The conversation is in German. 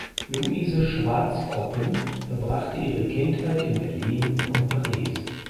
Luise Schwartzkoppen verbrachte ihre Kindheit in Berlin und Paris.